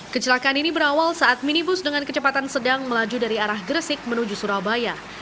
kecelakaan ini berawal saat minibus dengan kecepatan sedang melaju dari arah gresik menuju surabaya